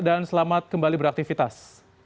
dan selamat kembali beraktivitas